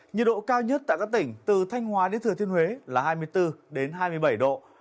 nhiệt độ cao nhất tại các tỉnh từ thanh hóa đến thừa thiên huế là hai mươi bốn hai mươi bảy độ